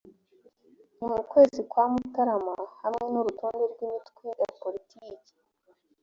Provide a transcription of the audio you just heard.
ni mu kwezi kwa mutarama hamwe n urutonde rw imitwe ya poritiki